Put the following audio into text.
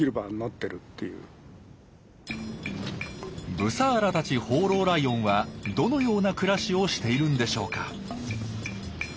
ブサーラたち放浪ライオンはどのような暮らしをしているんでしょうか。